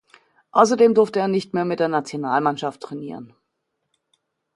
Außerdem durfte er nicht mehr mit der Nationalmannschaft trainieren.